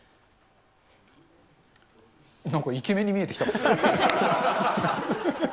なんか、イケメンに見えてきた。